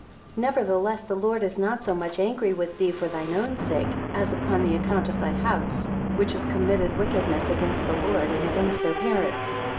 21 Nevertheless the Lord is not so much angry with thee for thine own sake, as upon the account of thy house, which has committed wickedness against the Lord, and against their parents.